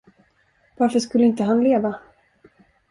Varför skulle inte han leva?